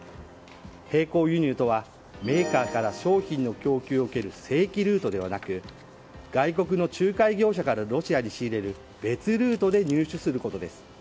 並行輸入とはメーカーから商品の供給を受ける正規ルートではなく外国の仲介業者からロシアに仕入れる別ルートで入手することです。